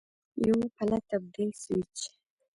یو پله تبدیل سویچ